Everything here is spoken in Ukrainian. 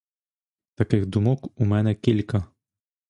Таких думок у мене кілька.